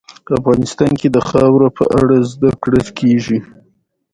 افغانستان کې د خاوره په اړه زده کړه کېږي.